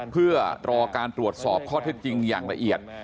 เพื่อรอการตรวจสอบข้อเท็จจริงอย่างละเอียด